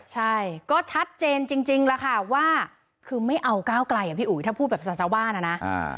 ใช่ก็ชัดเจนจริงแล้วค่ะว่าคือไม่เอาก้าวไกลอ่ะพี่อุ๋ยถ้าพูดแบบสาวบ้านอ่ะนะ